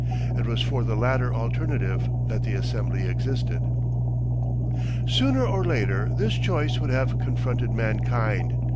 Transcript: It was for the latter alternative that the assembly existed. Sooner or later this choice would have confronted mankind.